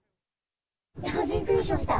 びっくりしました。